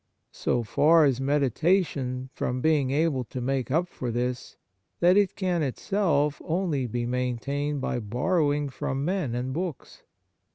So far is meditation from being able to make up for this that it can itself only be maintained by borrow ing from men and books.